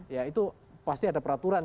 ya itu pasti ada peraturan